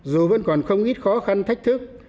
dù vẫn còn không ít khó khăn thách thức